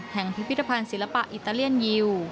พิพิธภัณฑ์ศิลปะอิตาเลียนยิว